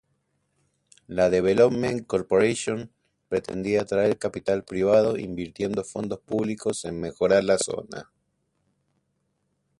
La "Development Corporation" pretendía atraer capital privado invirtiendo fondos públicos en mejorar la zona.